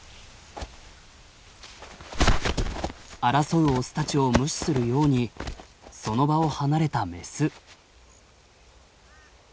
争うオスたちを無視するようにその場を離れたメス。